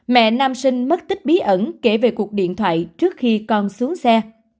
mẹ nam sinh mất tích bí ẩn kể về cuộc điện thoại trước khi con xuống xe